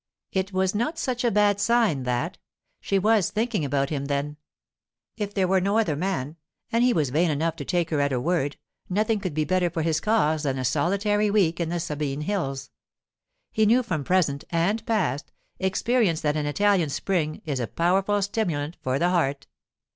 It was not such a bad sign, that: she was thinking about him, then. If there were no other man—and he was vain enough to take her at her word—nothing could be better for his cause than a solitary week in the Sabine hills. He knew from present—and past—experience that an Italian spring is a powerful stimulant for the heart.